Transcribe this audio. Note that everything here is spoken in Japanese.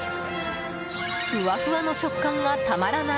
ふわふわの食感がたまらない